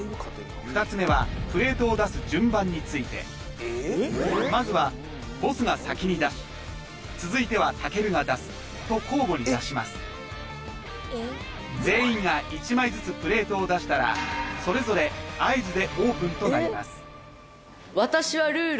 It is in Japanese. ２つ目はプレートを出す順番についてまずはボスが先に出し続いては健が出すと交互に出します全員が１枚ずつプレートを出したらそれぞれ合図でオープンとなります